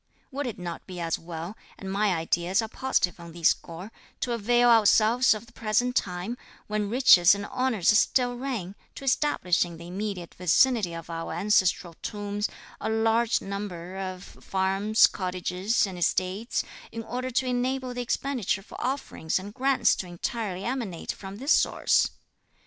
Would it not be as well, and my ideas are positive on this score, to avail ourselves of the present time, when riches and honours still reign, to establish in the immediate vicinity of our ancestral tombs, a large number of farms, cottages, and estates, in order to enable the expenditure for offerings and grants to entirely emanate from this source?